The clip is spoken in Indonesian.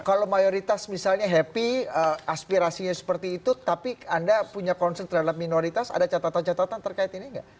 kalau mayoritas misalnya happy aspirasinya seperti itu tapi anda punya concern terhadap minoritas ada catatan catatan terkait ini nggak